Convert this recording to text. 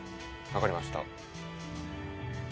分かりました。